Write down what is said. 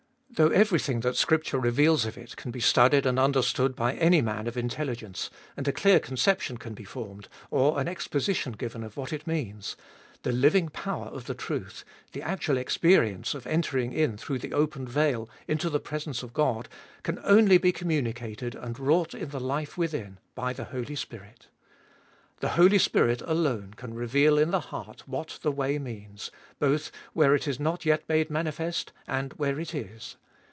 Though everything that Scripture reveals of it can be studied and understood by any man of intelligence, and a clear conception can be formed, or an exposition given of what it means, the living power of the truth, the actual experience of entering in through the opened veil into the presence of God, can only be communicated and wrought in the life within by the Holy Spirit. The Holy Spirit alone can reveal in the heart what the way means, both where it is not yet made manifest, and where it is.